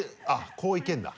こういけるんだ。